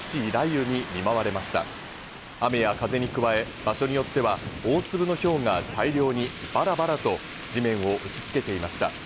雨や風に加え、場所によっては大粒のひょうが大量にバラバラと地面を打ち付けていました。